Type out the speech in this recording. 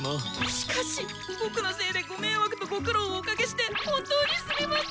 しかし僕のせいでご迷惑とご苦労をおかけして本当にすみませ。